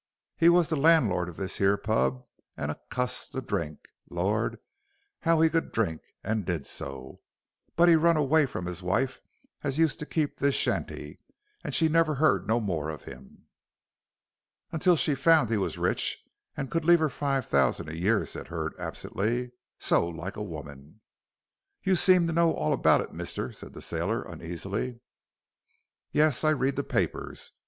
He wos the landlord of this here pub, and a cuss to drink. Lor', 'ow he could drink, and did too. But he run away from his wife as used to keep this shanty, and she never heard no more of him." "Until she found he was rich and could leave her five thousand a year," said Hurd, absently; "so like a woman." "You seem to know all about it, mister?" said the sailor, uneasily. "Yes, I read the papers.